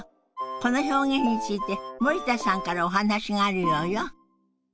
この表現について森田さんからお話があるようよ。